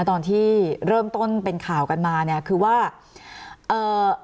ตอนที่เริ่มต้นเป็นข่าวกันมาเนี่ยคือว่าเอ่อ